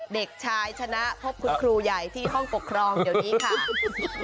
เด็กชายชนะพบคุณครูใหญ่ที่ห้องปกครองเดี๋ยวนี้ค่ะ